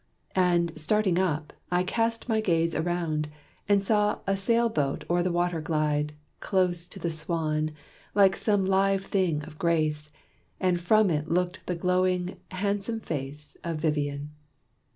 And, starting up, I cast my gaze around, And saw a sail boat o'er the water glide Close to the "Swan," like some live thing of grace; And from it looked the glowing, handsome face Of Vivian.